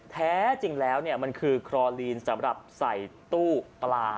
แท้จริงแล้วมันคือคลอลีนสำหรับใส่ตู้ปลา